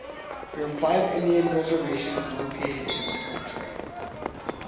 There are five Indian reservations located in the county.